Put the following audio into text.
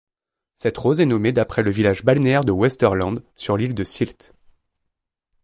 Cette rose est nommée d'après le village balnéaire de Westerland sur l'île de Sylt.